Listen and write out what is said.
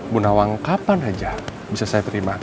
bu nawang kapan aja bisa saya terima